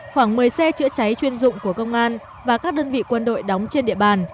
khoảng một mươi xe chữa cháy chuyên dụng của công an và các đơn vị quân đội đóng trên địa bàn